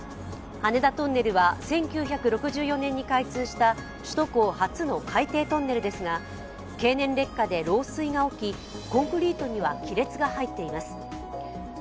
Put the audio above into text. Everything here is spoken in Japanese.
羽田トンネルは１９６４年に開通した首都高初の海底トンネルですが、経年劣化で漏水が起きコンクリートには亀裂が入っています。